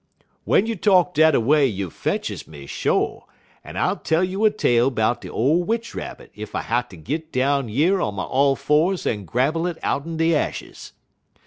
W'en you talk dat a way you fetches me, sho', en I'll tell you a tale 'bout de ole Witch Rabbit ef I hatter git down yer on my all fours en grabble it out'n de ashes.